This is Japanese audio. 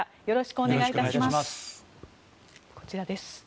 よろしくお願いします。